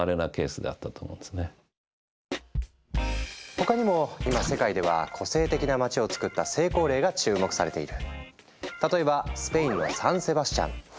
他にも今世界では個性的な街をつくった成功例が注目されている。